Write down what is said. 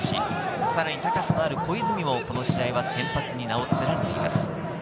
さらに高さのある小泉もこの試合は先発に名を連ねています。